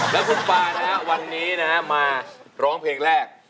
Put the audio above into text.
แล้วคุณป่านะครับวันนี้นะครับมาร้องเพลงแรก